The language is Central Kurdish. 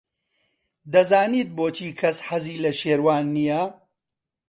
دەزانیت بۆچی کەس حەزی لە شێروان نییە؟